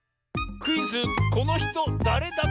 クイズ「このひとだれだっけ？」！